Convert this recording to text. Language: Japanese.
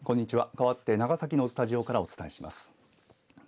かわって長崎のスタジオからお伝えします。